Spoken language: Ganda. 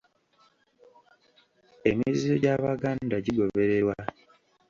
Emizizo gy’Abaganda gigobererwa